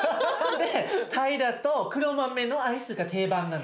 タイだと黒豆のアイスが定番なの。